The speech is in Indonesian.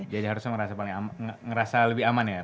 jadi harusnya merasa lebih aman ya